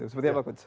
seperti apa buds